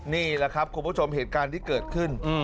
นี่แหละครับคุณผู้ชมเหตุการณ์ที่เกิดขึ้น